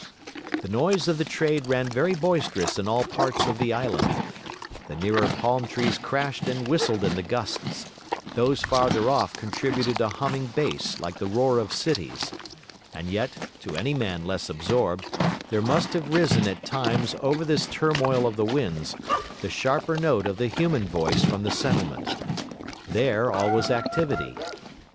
The noise of the Trade ran very boisterous in all parts of the island; the nearer palm trees crashed and whistled in the gusts, those farther off contributed a humming bass like the roar of cities; and yet, to any man less absorbed, there must have risen at times over this turmoil of the winds, the sharper note of the human voice from the settlement. There all was activity.